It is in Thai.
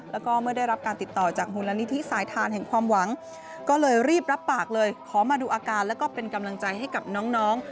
แล้วก็เมื่อได้รับการติดต่อจากมูลนิธิสายทานแห่งความหวังก็เลยรีบรับปากเลยขอมาดูอาการแล้วก็เป็นกำลังใจให้กับน้อง